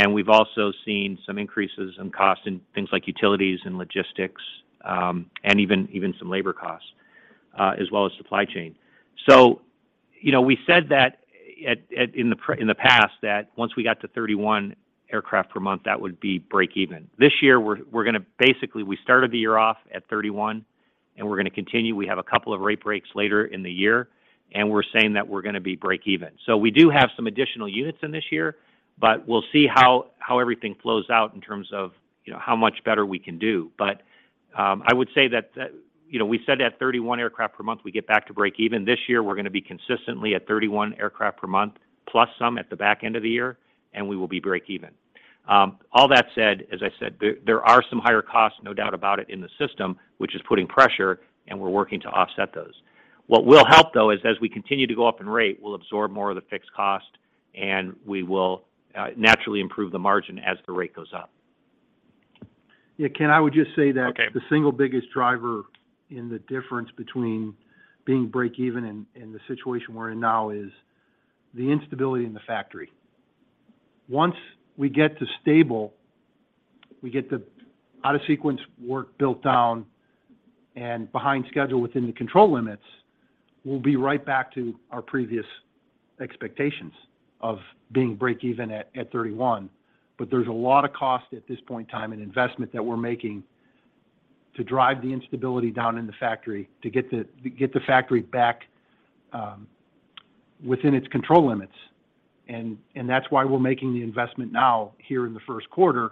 We've also seen some increases in cost in things like utilities and logistics, and even some labor costs, as well as supply chain. You know, we said that in the past that once we got to 31 aircraft per month, that would be break even. This year. Basically, we started the year off at 31, and we're gonna continue. We have a couple of rate breaks later in the year, and we're saying that we're gonna be break even. We do have some additional units in this year, but we'll see how everything flows out in terms of, you know, how much better we can do. I would say that, you know, we said at 31 aircraft per month, we get back to break even. This year we're gonna be consistently at 31 aircraft per month, plus some at the back end of the year, and we will be break even. All that said, as I said, there are some higher costs, no doubt about it, in the system, which is putting pressure, and we're working to offset those. What will help, though, is as we continue to go up in rate, we'll absorb more of the fixed cost, and we will naturally improve the margin as the rate goes up. Yeah. Ken, I would just say that. The single biggest driver in the difference between being break even and the situation we're in now is the instability in the factory. Once we get to stable, we get the out of sequence work built down and behind schedule within the control limits, we'll be right back to our previous expectations of being break even at 31. There's a lot of cost at this point in time and investment that we're making to drive the instability down in the factory to get the factory back within its control limits. That's why we're making the investment now here in the first quarter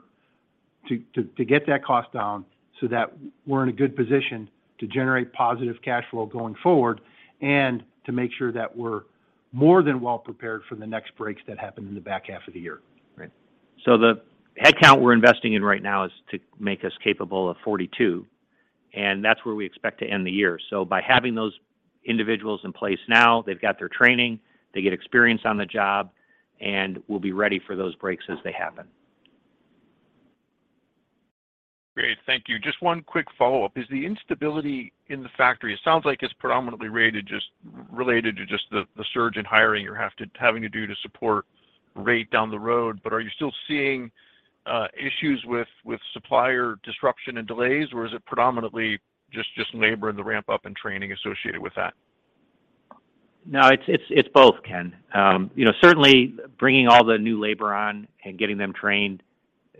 to get that cost down so that we're in a good position to generate positive cash flow going forward and to make sure that we're more than well prepared for the next breaks that happen in the back half of the year. Great. The headcount we're investing in right now is to make us capable of 42, and that's where we expect to end the year. By having those individuals in place now, they've got their training, they get experience on the job, and we'll be ready for those breaks as they happen. Great. Thank you. Just one quick follow-up. Is the instability in the factory, it sounds like it's predominantly related to just the surge in hiring having to do to support rate down the road, but are you still seeing issues with supplier disruption and delays, or is it predominantly just labor and the ramp up in training associated with that? No, it's both, Ken. you know, certainly bringing all the new labor on and getting them trained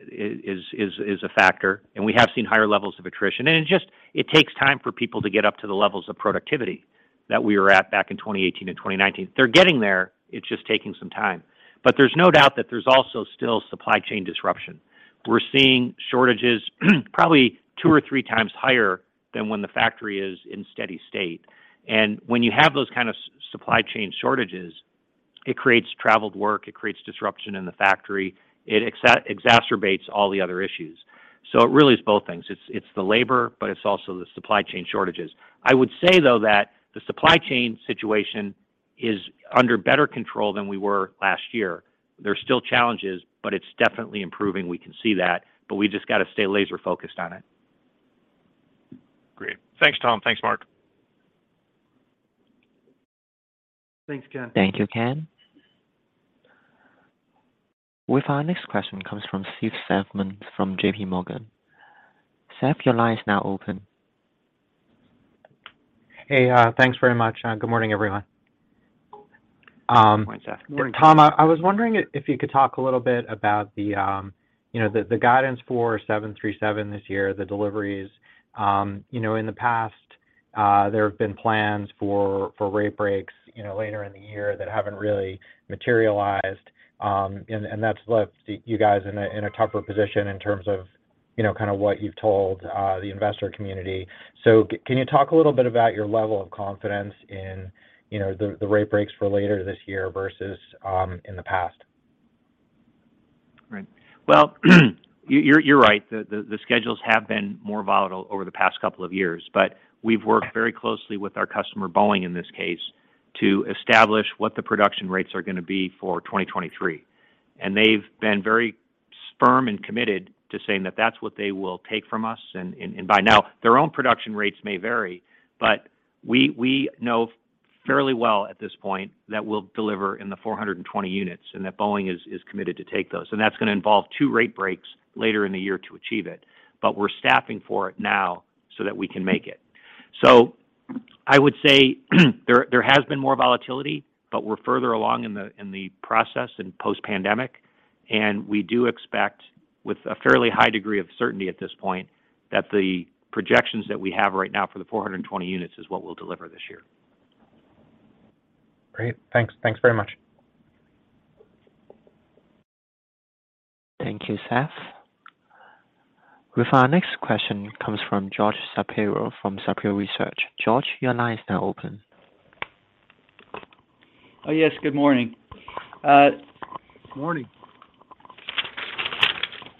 is a factor, and we have seen higher levels of attrition. It just takes time for people to get up to the levels of productivity that we were at back in 2018 and 2019. They're getting there. It's just taking some time. There's no doubt that there's also still supply chain disruption. We're seeing shortages probably 2-3 times higher than when the factory is in steady state. When you have those kind of supply chain shortages, it creates traveled work, it creates disruption in the factory. It exacerbates all the other issues. It really is both things. It's the labor, but it's also the supply chain shortages. I would say, though, that the supply chain situation is under better control than we were last year. There's still challenges, but it's definitely improving. We can see that, but we just gotta stay laser focused on it. Great. Thanks, Tom. Thanks, Mark. Thanks, Ken. Thank you, Ken. With our next question comes from Seth Seifman from JPMorgan. Seth, your line is now open. Hey, thanks very much. Good morning, everyone. Good morning, Seth. Good morning. Tom, I was wondering if you could talk a little bit about the, you know, the guidance for 737 this year, the deliveries. You know, in the past, there have been plans for rate breaks, you know, later in the year that haven't really materialized. And that's left you guys in a tougher position in terms of, you know, kind of what you've told the investor community. Can you talk a little bit about your level of confidence in, you know, the rate breaks for later this year versus in the past? Right. Well, you're right. The schedules have been more volatile over the past couple of years, but we've worked very closely with our customer, Boeing, in this case, to establish what the production rates are gonna be for 2023. They've been very firm and committed to saying that that's what they will take from us. By now, their own production rates may vary, but we know fairly well at this point that we'll deliver in the 420 units, and that Boeing is committed to take those. That's gonna involve two rate breaks later in the year to achieve it. We're staffing for it now so that we can make it. I would say there has been more volatility, but we're further along in the process in post-pandemic, and we do expect, with a fairly high degree of certainty at this point, that the projections that we have right now for the 420 units is what we'll deliver this year. Great. Thanks. Thanks very much. Thank you, Seth. With our next question comes from George Shapiro from Shapiro Research. George, your line is now open. Oh, yes. Good morning. Morning.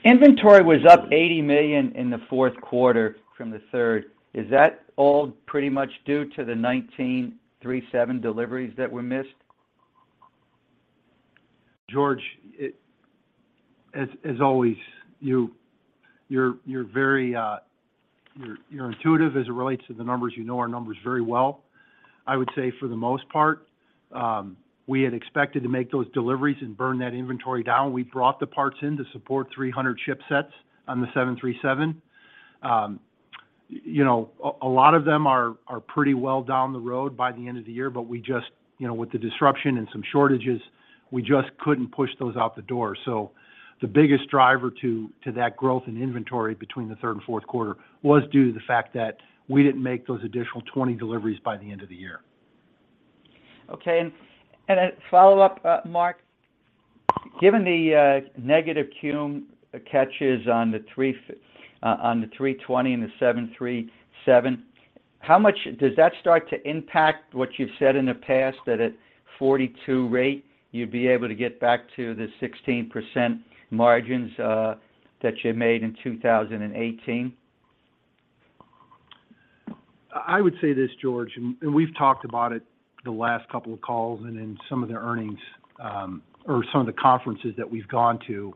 Inventory was up $80 million in the fourth quarter from the third. Is that all pretty much due to the 737 deliveries that were missed? George, as always, you're very, you're intuitive as it relates to the numbers. You know our numbers very well. I would say for the most part, we had expected to make those deliveries and burn that inventory down. We brought the parts in to support 300 shipsets on the 737. You know, a lot of them are pretty well down the road by the end of the year, but we just, you know, with the disruption and some shortages, we just couldn't push those out the door. The biggest driver to that growth in inventory between the third and fourth quarter was due to the fact that we didn't make those additional 20 deliveries by the end of the year. Okay. A follow-up, Mark. Given the negative catches on the A320 and the 737, how much does that start to impact what you've said in the past that at 42 rate you'd be able to get back to the 16% margins that you made in 2018? I would say this, George, and we've talked about it the last couple of calls and in some of the earnings, or some of the conferences that we've gone to.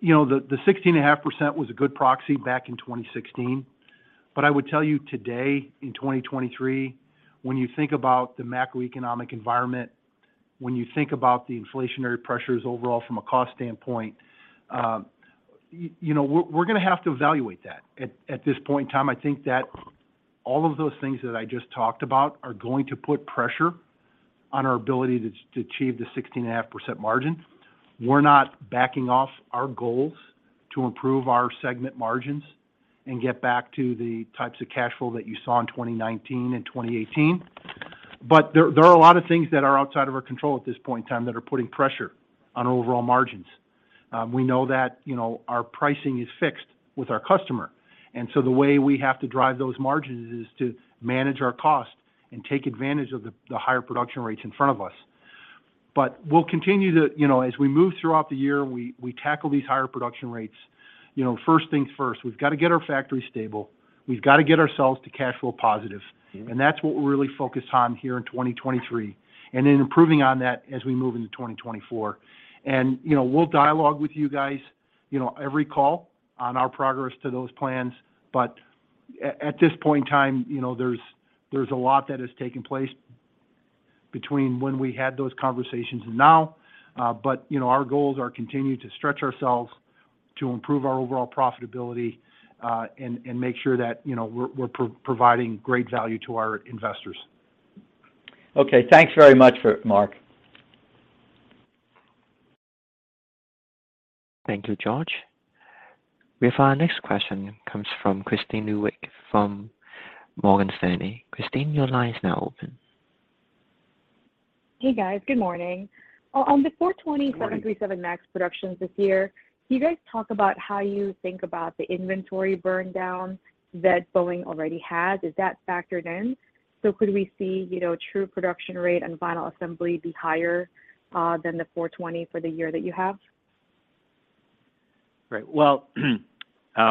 You know, the 16.5% was a good proxy back in 2016. I would tell you today, in 2023, when you think about the macroeconomic environment, when you think about the inflationary pressures overall from a cost standpoint, you know, we're gonna have to evaluate that. At this point in time, I think that all of those things that I just talked about are going to put pressure on our ability to achieve the 16.5% margin. We're not backing off our goals to improve our segment margins and get back to the types of cash flow that you saw in 2019 and 2018. There are a lot of things that are outside of our control at this point in time that are putting pressure on overall margins. We know that, you know, our pricing is fixed with our customer. The way we have to drive those margins is to manage our cost and take advantage of the higher production rates in front of us. We'll continue to. You know, as we move throughout the year, we tackle these higher production rates. You know, first things first, we've got to get our factory stable. We've got to get ourselves to cash flow positive. That's what we're really focused on here in 2023, and then improving on that as we move into 2024. You know, we'll dialogue with you guys, you know, every call on our progress to those plans. At this point in time, you know, there's a lot that has taken place between when we had those conversations and now. You know, our goals are continue to stretch ourselves to improve our overall profitability, and make sure that, you know, we're providing great value to our investors. Okay. Thanks very much for it, Mark. Thank you, George. We have our next question comes from Kristine Liwag from Morgan Stanley. Kristine, your line is now open. Hey, guys. Good morning. on the 420 737 MAX productions this year, can you guys talk about how you think about the inventory burn down that Boeing already has? Is that factored in? Could we see, you know, true production rate and final assembly be higher than the 420 for the year that you have? Right. Well,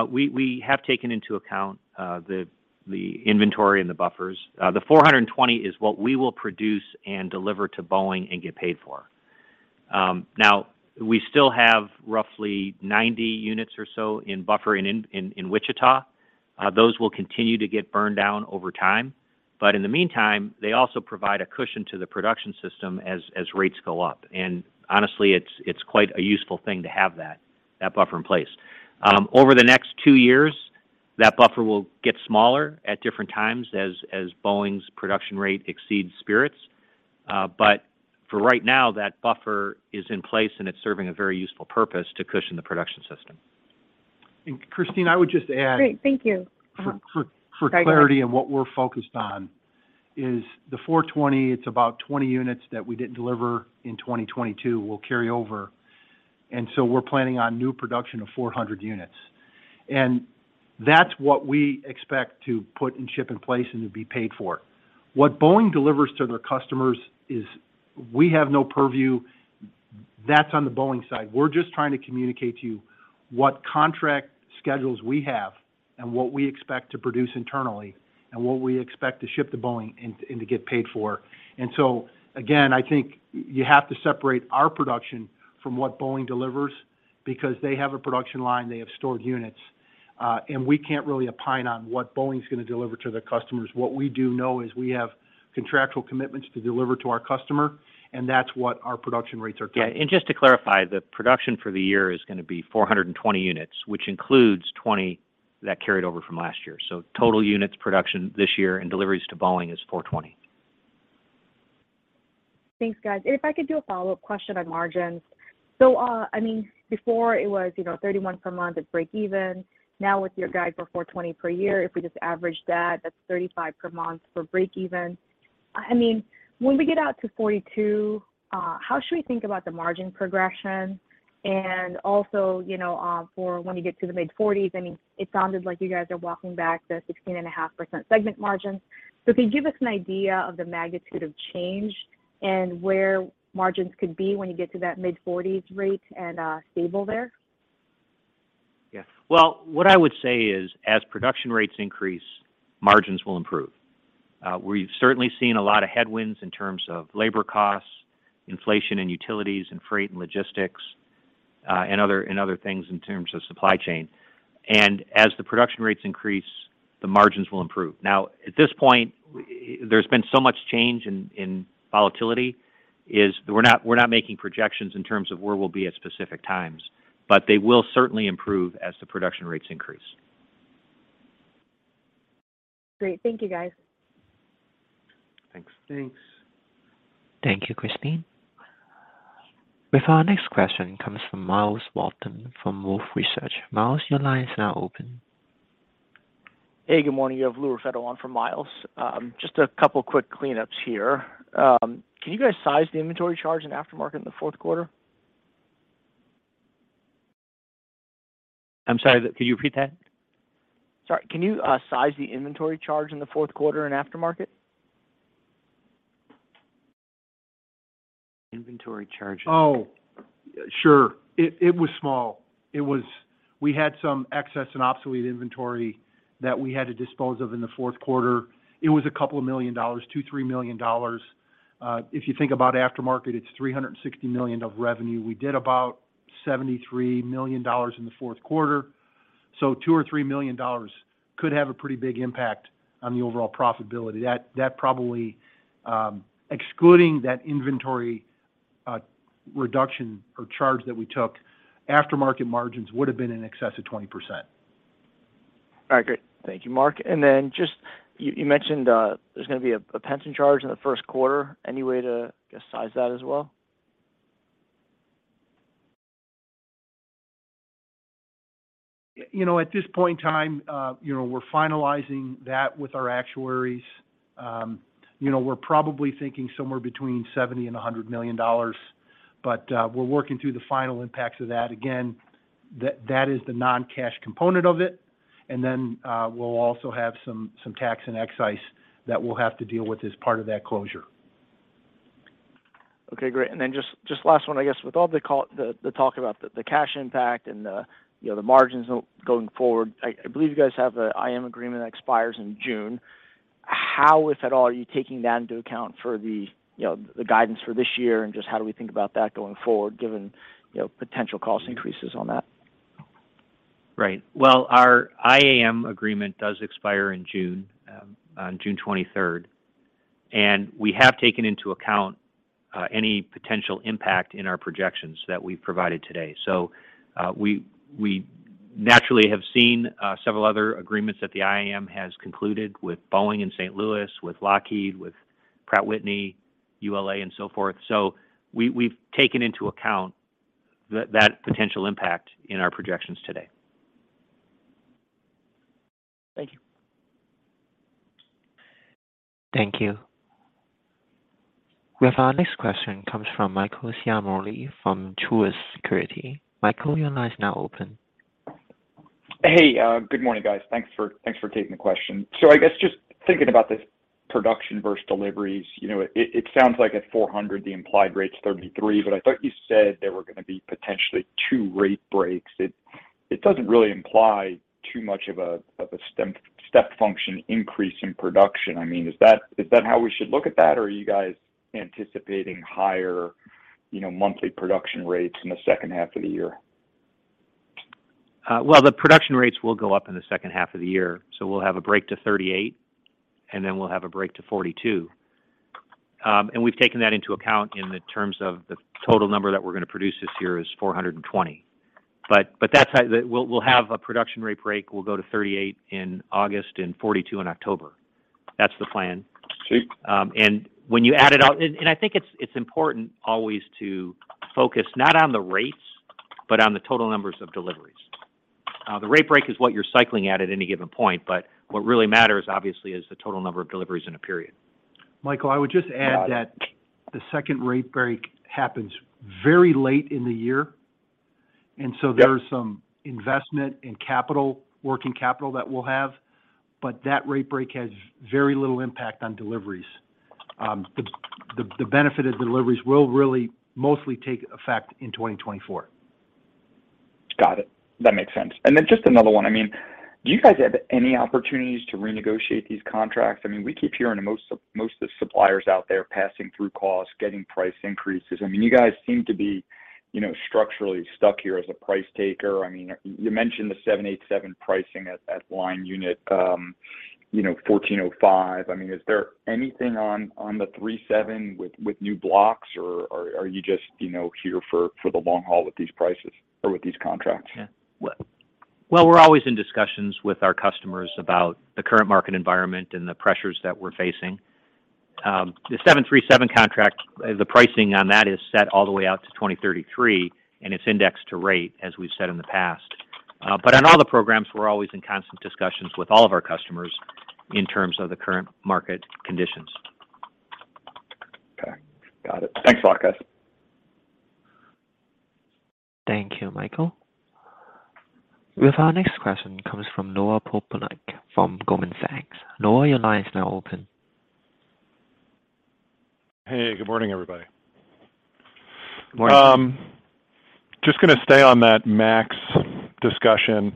we have taken into account the inventory and the buffers. The 420 is what we will produce and deliver to Boeing and get paid for. Now, we still have roughly 90 units or so in buffer in Wichita. Those will continue to get burned down over time. In the meantime, they also provide a cushion to the production system as rates go up. Honestly, it's quite a useful thing to have that buffer in place. Over the next two years, that buffer will get smaller at different times as Boeing's production rate exceeds Spirit's. For right now, that buffer is in place, and it's serving a very useful purpose to cushion the production system. Kristine, I would just add- Great. Thank you. Uh-huh. Go ahead. For clarity in what we're focused on is the 420, it's about 20 units that we didn't deliver in 2022 will carry over. We're planning on new production of 400 units. That's what we expect to put and ship in place and to be paid for. What Boeing delivers to their customers is we have no purview. That's on the Boeing side. We're just trying to communicate to you what contract schedules we have and what we expect to produce internally and what we expect to ship to Boeing and to get paid for. Again, I think you have to separate our production from what Boeing delivers because they have a production line, they have stored units. We can't really opine on what Boeing's gonna deliver to their customers. What we do know is we have contractual commitments to deliver to our customer, and that's what our production rates are getting. Yeah. Just to clarify, the production for the year is gonna be 420 units, which includes 20 that carried over from last year. Total units production this year and deliveries to Boeing is 420. Thanks, guys. If I could do a follow-up question on margins. I mean, before it was, you know, 31 per month at break even. Now with your guide for 420 per year, if we just average that's 35 per month for break even. I mean, when we get out to 42, how should we think about the margin progression? You know, for when we get to the mid-40s, I mean, it sounded like you guys are walking back the 16.5% segment margins. Can you give us an idea of the magnitude of change and where margins could be when you get to that mid-40s rate and stable there? Yeah. Well, what I would say is, as production rates increase, margins will improve. We've certainly seen a lot of headwinds in terms of labor costs, inflation and utilities and freight and logistics, and other things in terms of supply chain. As the production rates increase, the margins will improve. Now, at this point, there's been so much change in volatility, is we're not, we're not making projections in terms of where we'll be at specific times, but they will certainly improve as the production rates increase. Great. Thank you, guys. Thanks. Thanks. Thank you, Kristine. With our next question comes from Myles Walton from Wolfe Research. Myles, your line is now open. Hey, good morning. You have Louis on for Myles. Just a couple quick cleanups here. Can you guys size the inventory charge in aftermarket in the fourth quarter? I'm sorry. Could you repeat that? Sorry. Can you size the inventory charge in the fourth quarter in aftermarket? Inventory charge. Oh, sure. It was small. We had some excess and obsolete inventory that we had to dispose of in the fourth quarter. It was a couple of million dollars, $2 million-$3 million. If you think about aftermarket, it's $360 million of revenue. We did about $73 million in the fourth quarter. $2 million or $3 million could have a pretty big impact on the overall profitability. That probably, excluding that inventory reduction or charge that we took, aftermarket margins would have been in excess of 20%. All right, great. Thank you, Mark. Just you mentioned there's gonna be a pension charge in the first quarter. Any way to size that as well? You know, at this point in time, you know, we're finalizing that with our actuaries. You know, we're probably thinking somewhere between $70 million and $100 million, but we're working through the final impacts of that. Again, that is the non-cash component of it. Then, we'll also have some tax and excise that we'll have to deal with as part of that closure. Okay, great. Just last one, I guess with all the talk about the cash impact and, you know, the margins going forward, I believe you guys have a IAM agreement that expires in June. How, if at all, are you taking that into account for the, you know, guidance for this year, and just how do we think about that going forward, given, you know, potential cost increases on that? Right. Well, our IAM agreement does expire in June, on June 23rd. We have taken into account, any potential impact in our projections that we've provided today. We naturally have seen, several other agreements that the IAM has concluded with Boeing in St. Louis, with Lockheed, with Pratt & Whitney, ULA, and so forth. We've taken into account that potential impact in our projections today. Thank you. Thank you. We have our next question comes from Michael Ciarmoli from Truist Securities. Michael, your line is now open. Hey, good morning, guys. Thanks for taking the question. I guess just thinking about this production versus deliveries, you know, it sounds like at 400, the implied rate is 33%, but I thought you said there were gonna be potentially two rate breaks. It doesn't really imply too much of a step function increase in production. I mean, is that how we should look at that? Or are you guys anticipating higher, you know, monthly production rates in the second half of the year? Well, the production rates will go up in the second half of the year. We'll have a break to 38, and then we'll have a break to 42. We've taken that into account in the terms of the total number that we're gonna produce this year is 420. We'll have a production rate break. We'll go to 38 in August and 42 in October. That's the plan. Great. When you add it up. I think it's important always to focus not on the rates, but on the total numbers of deliveries. The rate break is what you're cycling at any given point, but what really matters, obviously, is the total number of deliveries in a period. Michael, I would just add that the second rate break happens very late in the year, there is some investment in capital, working capital that we'll have, but that rate break has very little impact on deliveries. The benefit of deliveries will really mostly take effect in 2024. Got it. That makes sense. Just another one. I mean, do you guys have any opportunities to renegotiate these contracts? I mean, we keep hearing most of the suppliers out there passing through costs, getting price increases. I mean, you guys seem to be, you know, structurally stuck here as a price taker. I mean, you mentioned the 787 pricing at line unit, you know, 1405. I mean, is there anything on the 37 with new blocks or are you just, you know, here for the long haul with these prices or with these contracts? Yeah. Well, we're always in discussions with our customers about the current market environment and the pressures that we're facing. The 737 contract, the pricing on that is set all the way out to 2033, and it's indexed to rate, as we've said in the past. On all the programs, we're always in constant discussions with all of our customers in terms of the current market conditions. Okay. Got it. Thanks a lot, guys. Thank you, Michael. With our next question comes from Noah Poponak from Goldman Sachs. Noah, your line is now open. Hey, good morning, everybody. Morning. Just gonna stay on that MAX discussion.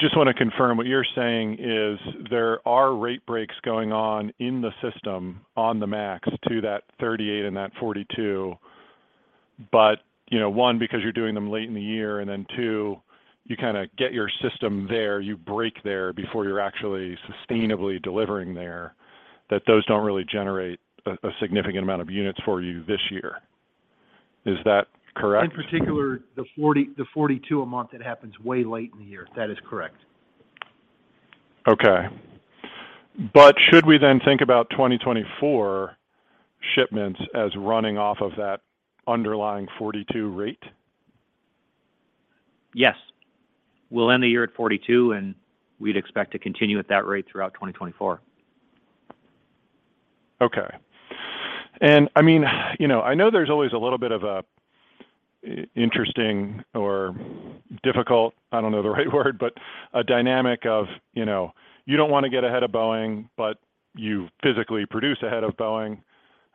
Just wanna confirm, what you're saying is there are rate breaks going on in the system on the MAX to that 38 and that 42, you know, one, because you're doing them late in the year, and then two, you kinda get your system there, you break there before you're actually sustainably delivering there, that those don't really generate a significant amount of units for you this year. Is that correct? In partiular, the 42 a month, it happens way late in the year. That is correct. Okay. Should we then think about 2024 shipments as running off of that underlying 42 rate? Yes. We'll end the year at 42, and we'd expect to continue at that rate throughout 2024. I mean, you know, I know there's always a little bit of an interesting or difficult, I don't know the right word, but a dynamic of, you know, you don't want to get ahead of Boeing, but you physically produce ahead of Boeing, and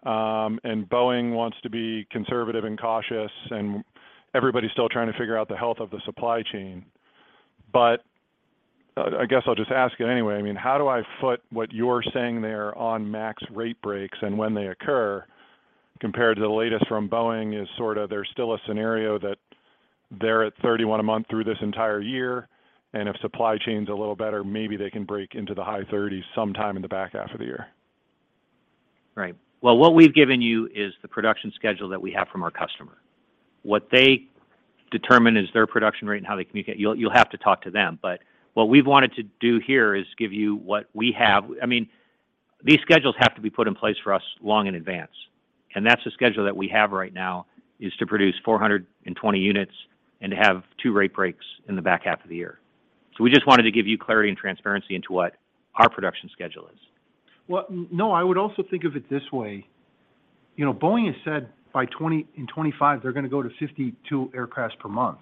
Boeing wants to be conservative and cautious, and everybody's still trying to figure out the health of the supply chain. I guess I'll just ask it anyway. I mean, how do I foot what you're saying there on MAX rate breaks and when they occur compared to the latest from Boeing is sort of there's still a scenario that they're at 31 a month through this entire year, and if supply chain's a little better, maybe they can break into the high 30s sometime in the back half of the year. Right. Well, what we've given you is the production schedule that we have from our customer. What they determine is their production rate and how they communicate. You'll have to talk to them, but what we've wanted to do here is give you what we have. I mean, these schedules have to be put in place for us long in advance, and that's the schedule that we have right now, is to produce 420 units and to have two rate breaks in the back half of the year. We just wanted to give you clarity and transparency into what our production schedule is. Well, Noah, I would also think of it this way. You know, Boeing has said by 2025, they're gonna go to 52 aircraft per month.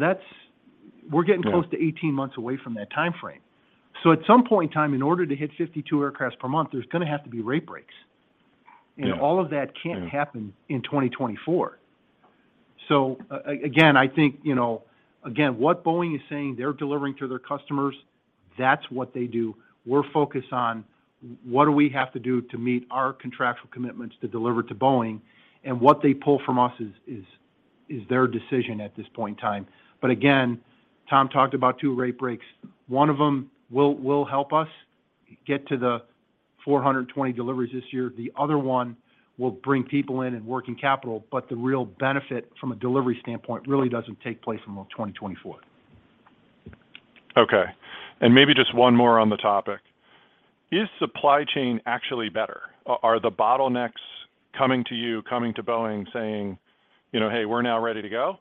That's. We're getting close to 18 months away from that timeframe. At some point in time, in order to hit 52 aircraft per month, there's gonna have to be rate breaks. Yeah. All of that can't happen in 2024. Again, I think, you know, again, what Boeing is saying they're delivering to their customers, that's what they do. We're focused on what do we have to do to meet our contractual commitments to deliver to Boeing, and what they pull from us is their decision at this point in time. Again, Tom talked about two rate breaks. One of them will help us get to the 420 deliveries this year. The other one will bring people in and working capital, but the real benefit from a delivery standpoint really doesn't take place until 2024. Okay. Maybe just one more on the topic. Is supply chain actually better? Are the bottlenecks coming to you, coming to Boeing saying, you know, "Hey, we're now ready to go"?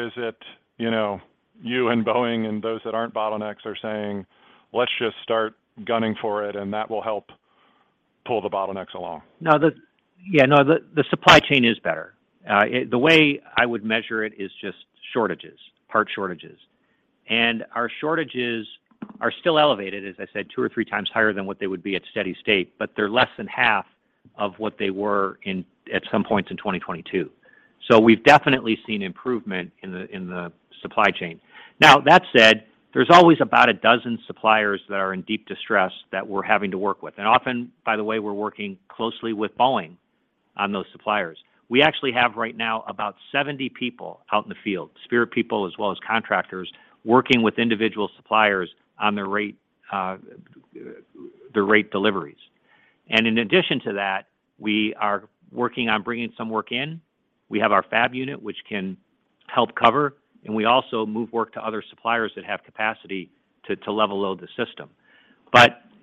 Is it, you know, you and Boeing and those that aren't bottlenecks are saying, "Let's just start gunning for it," and that will help pull the bottlenecks along? No. No. The supply chain is better. The way I would measure it is just shortages, part shortages. Our shortages are still elevated, as I said, 2 or 3 times higher than what they would be at steady state, but they're less than half of what they were in, at some points in 2022. We've definitely seen improvement in the supply chain. Now, that said, there's always about 12 suppliers that are in deep distress that we're having to work with. Often, by the way, we're working closely with Boeing on those suppliers. We actually have right now about 70 people out in the field, Spirit people as well as contractors, working with individual suppliers on their rate, the rate deliveries. In addition to that, we are working on bringing some work in. We have our fab unit which can help cover, and we also move work to other suppliers that have capacity to level load the system.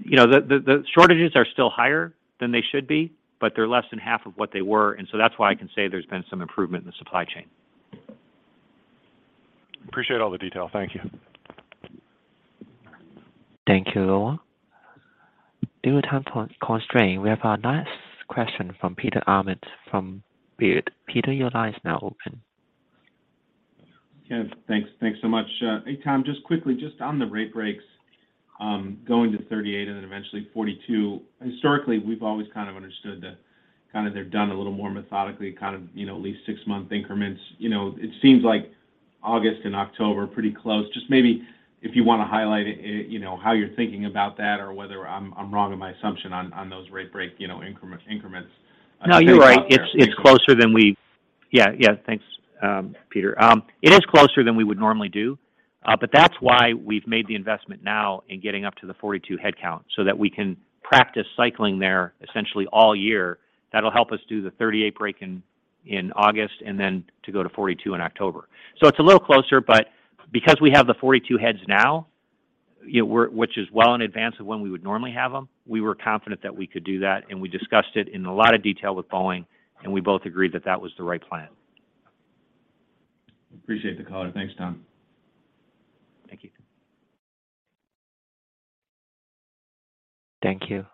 You know, the shortages are still higher than they should be, but they're less than half of what they were. That's why I can say there's been some improvement in the supply chain. Appreciate all the detail. Thank you. Thank you, Noah. Due to time constraint, we have our last question from Peter Arment from Baird. Peter, your line is now open. Yes, thanks. Thanks so much. Hey, Tom, just quickly, just on the rate breaks, going to 38 and then eventually 42. Historically, we've always kind of understood that kind of they're done a little more methodically, kind of, you know, at least six-month increments. You know, it seems like August and October are pretty close. Just maybe if you wanna highlight, you know, how you're thinking about that or whether I'm wrong in my assumption on those rate break, you know, increments. No, you're right. It's, it's closer than we... Yeah, yeah. Thanks, Peter. It is closer than we would normally do. That's why we've made the investment now in getting up to the 42 headcount so that we can practice cycling there essentially all year. That'll help us do the 38 break in August and then to go to 42 in October. It's a little closer, but because we have the 42 heads now, you know, which is well in advance of when we would normally have them, we were confident that we could do that, and we discussed it in a lot of detail with Boeing, and we both agreed that that was the right plan. Appreciate the call. Thanks, Tom. Thank you. Thank you.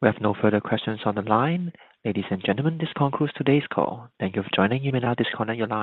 We have no further questions on the line. Ladies and gentlemen, this concludes today's call. Thank you for joining. You may now disconnect your line.